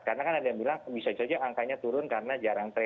karena kan ada yang bilang bisa saja angkanya turun karena jarang sekali